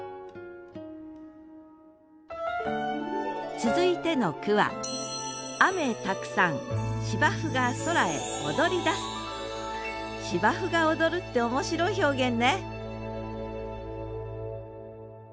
続いての句は芝生が踊るって面白い表現ね